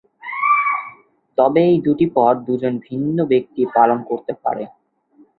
তবে এই দুটি পদ দুজন ভিন্ন ব্যক্তি পালন করতে পারে।